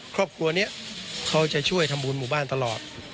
ครอบครัวนี้เขาจะช่วยทำบุญหมู่บ้านตลอด